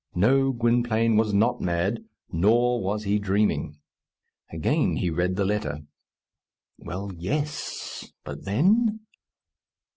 No, Gwynplaine was not mad, nor was he dreaming. Again he read the letter. Well, yes! But then?